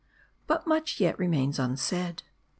But much yet remains unsaid.